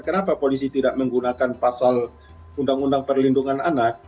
kenapa polisi tidak menggunakan pasal undang undang perlindungan anak